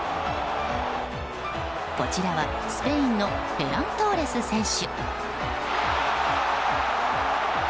こちらは、スペインのフェラン・トーレス選手。